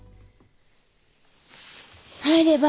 入れば？